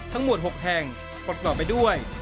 ทั้งหมด๖แห่งปลอดภัยไปด้วย